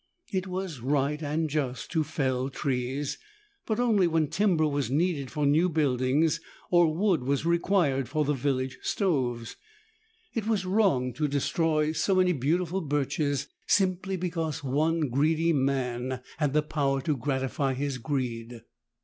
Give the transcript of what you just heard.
It was right and just to fell trees, but only when timber was needed for new buildings or wood was required for the village stoves. It was wrong to destroy so many beautiful birches simply because one greedy man had the power to gratify his greed.